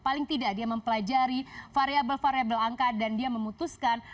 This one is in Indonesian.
paling tidak dia mempelajari variable variable angka dan dia memutuskan